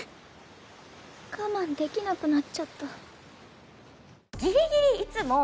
我慢できなくなっちゃった。